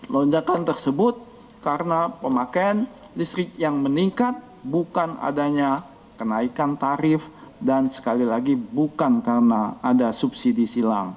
lonjakan tersebut karena pemakaian listrik yang meningkat bukan adanya kenaikan tarif dan sekali lagi bukan karena ada subsidi silang